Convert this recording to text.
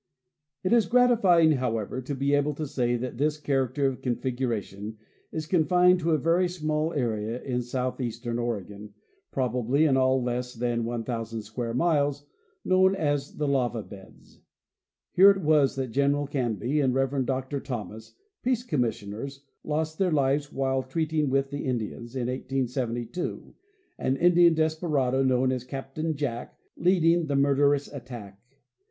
It is grati fying, however, to be able to say that this character of configura tion is confined to a very small area in southeastern Oregon, probably in all less than 1,000 square miles, known as the " Lava Beds." Here it was that General Canby and the Reverend Dr Thomas, peace commissioners, lost their lives while treating with the Indians, in 1872, an Indian desperado known as Captain Jack leading the murderous attack.